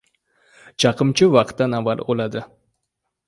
• Chaqimchi vaqtdan avval o‘ladi.